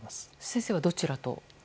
先生は、どちらと？